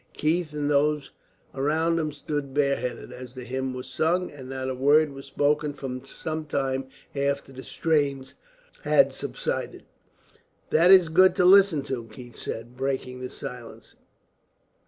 Keith and those around him stood bare headed, as the hymn was sung, and not a word was spoken for some time after the strains had subsided. "That is good to listen to," Keith said, breaking the silence.